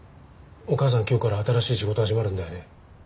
お母さん今日から新しい仕事始まるんだよね？